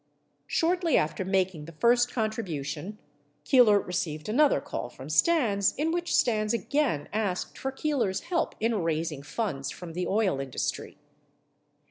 Shortly after making the first contribution, Keeler received another call from Stans in which Stans again asked for Keeler's help in raising funds from the oil industry.